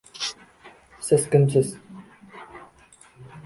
- Siz kimsiz?